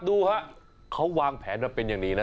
ดูฮะเขาวางแผนมาเป็นอย่างดีนะ